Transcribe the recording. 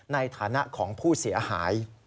ในฐานะของผู้เสียหาย